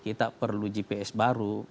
kita perlu gps baru